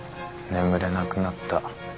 眠れなくなった。